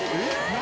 何？